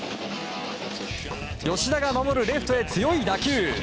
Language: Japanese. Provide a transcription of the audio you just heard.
吉田が守るレフトへ強い打球。